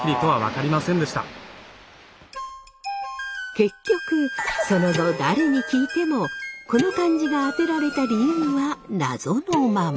結局その後誰に聞いてもこの漢字が当てられた理由はナゾのまま。